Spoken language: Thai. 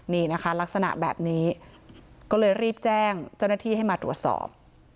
นี่นะคะลักษณะแบบนี้ก็เลยรีบแจ้งเจ้าหน้าที่ให้มาตรวจสอบ